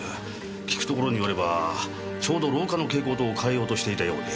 聞くところによればちょうど廊下の蛍光灯を換えようとしていたようで。